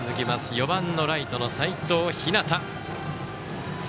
４番のライトの齋藤陽。